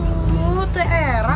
pak rete jangan